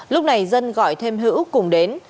lúc này dân gọi thêm hữu cùng đến